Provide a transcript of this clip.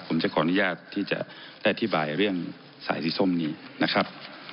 ผมจะขออนุญาตที่จะได้อธิบายเรื่องสายสีส้มนี้นะครับ